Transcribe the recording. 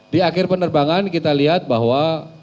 di akhir penerbangan kita lihat bahwa